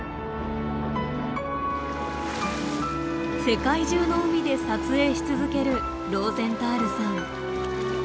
世界中の海で撮影し続けるローゼンタールさん。